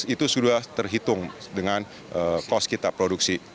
itu sudah terhitung dengan cost kita produksi